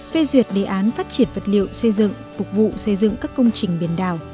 phê duyệt đề án phát triển vật liệu xây dựng phục vụ xây dựng các công trình biển đảo